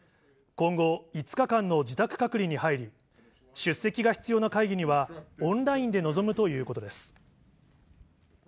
今後、５日間の自宅隔離に入り、出席が必要な会議には、オンラインで臨むということです。